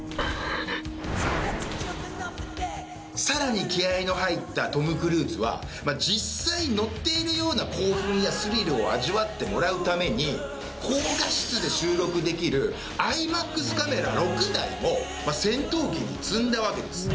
更に気合の入ったトム・クルーズは実際乗っているような興奮やスリルを味わってもらうために高画質で収録できるＩＭＡＸカメラ６台も戦闘機に積んだわけです。